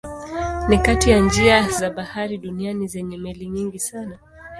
Ni kati ya njia za bahari duniani zenye meli nyingi sana.